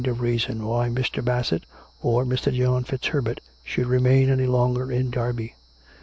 of reason why Mr. Bassett or Mr. John FitzHerbert should remain any longer in Derby.